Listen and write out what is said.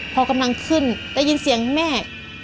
พอกำลังขึ้นได้ยินเสียงแม่